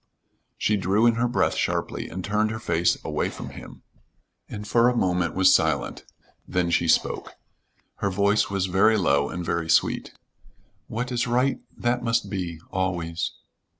She drew in her breath sharply and turned her face away from him, and for a moment was silent; then she spoke. Her voice was very low, and very sweet. "What is right, that must be. Always."